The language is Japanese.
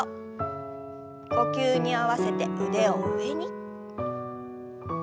呼吸に合わせて腕を上に。